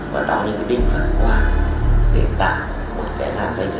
và tạo những cái đinh phản quả để tạo một cái làm dây diệt để tổ chức giao thông thôi